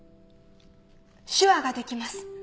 手話ができます。